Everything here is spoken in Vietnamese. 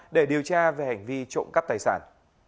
để điều tra về hành vi trộm cắp tài sản